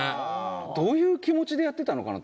どういう気持ちでやってたのかな。